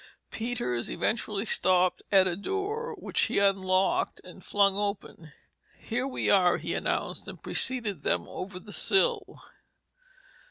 Peters eventually stopped at a door which he unlocked and flung open. "Here we are," he announced and preceded them over the sill.